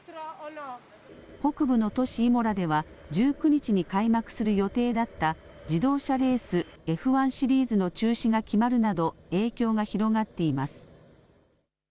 北部の都市イモラでは１９日に開幕する予定だった自動車レース、Ｆ１シリーズの中止が決まるなど影響が広がっています。